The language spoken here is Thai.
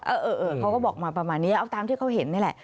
เออเขาก็บอกมาประมาณนี้เอาตามที่เขาเห็นนี่แหละ